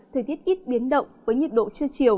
thời tiết ít biến động với nhiệt độ trưa chiều